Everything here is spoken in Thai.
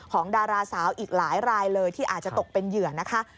ดาราสาวอีกหลายรายเลยที่อาจจะตกเป็นเหยื่อนะคะ